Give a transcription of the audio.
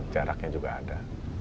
jaraknya juga ada